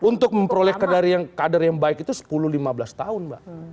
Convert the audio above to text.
untuk memperoleh kader yang baik itu sepuluh lima belas tahun mbak